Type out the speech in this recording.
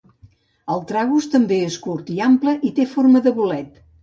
El tragus també és curt i ample i té forma de bolet.